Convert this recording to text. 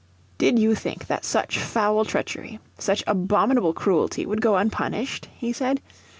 "Did you think that such foul treachery, such, abominable cruelty would go unpunished?" he said.